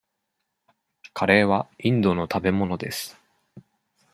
カレーはインドの食べ物です。